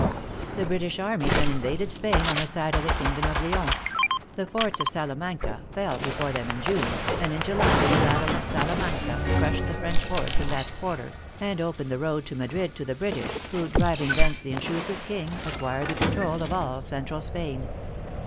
The British army then invaded Spain on the side of the kingdom of Leon : the forts of Sal amanca fell before them in June, and in July the battle of Salamanca crushed the French force in that quarter, and opened the road to Madrid to the British, who, driving thence the intrusive king, acquired the control of all central Spain.